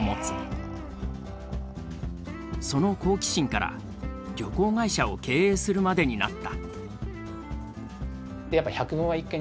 その好奇心から旅行会社を経営するまでになった。